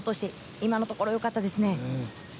今のところ良かったですね。